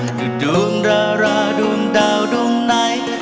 หรือดวงราวราวดวงดาวดวงไหน